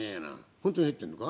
本当に入ってるのか？